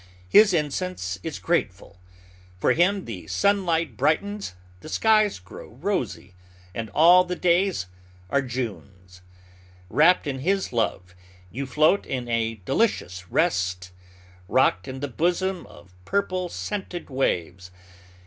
His incense is grateful. For him the sunlight brightens, the skies grow rosy, and all the days are Junes. Wrapped in his love, you float in a delicious rest, rocked in the bosom of purple, scented waves.